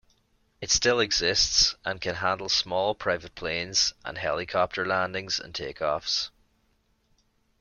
It still exists and can handle small, private planes and helicopter landings and take-offs.